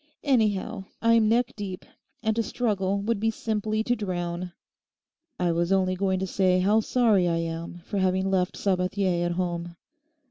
Anyhow, I'm neck deep, and to struggle would be simply to drown.' 'I was only going to say how sorry I am for having left Sabathier at home.